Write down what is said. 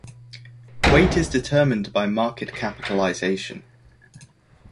Weight is determined by market capitalization.